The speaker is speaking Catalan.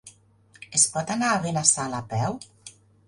Es pot anar a Benassal a peu?